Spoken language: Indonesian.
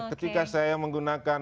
ketika saya menggunakan